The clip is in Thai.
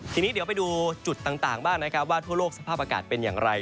ทีนี้เดี๋ยวไปดูจุดต่างบ้างนะครับว่าทั่วโลกสภาพอากาศเป็นอย่างไร